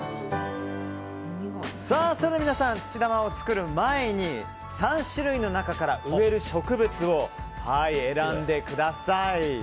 それでは皆さん土玉を作る前に３種類の中から植える植物を選んでください。